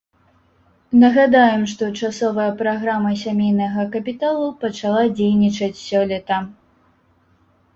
Нагадаем, што часовая праграма сямейнага капіталу пачала дзейнічаць сёлета.